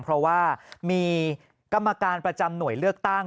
เพราะว่ามีกรรมการประจำหน่วยเลือกตั้ง